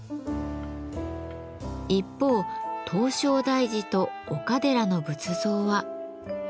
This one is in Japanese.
一方唐招提寺と岡寺の仏像は。